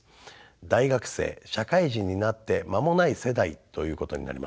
大学生社会人になって間もない世代ということになります。